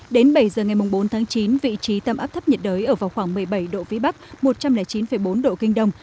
đến bảy giờ ngày bốn tháng chín vị trí tâm áp thấp nhiệt đới ở vào khoảng một mươi bảy độ vĩ bắc một trăm linh chín bốn độ kinh đông